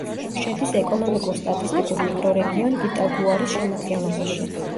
შედის ეკონომიკურ-სტატისტიკურ მიკრორეგიონ იტაგუარის შემადგენლობაში.